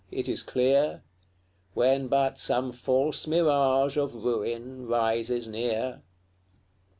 it is clear When but some false mirage of ruin rises near.